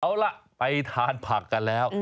เอาล่ะไปทานผักกันแล้ว